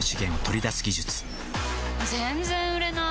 全然売れなーい。